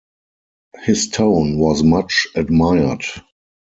His tone was much admired.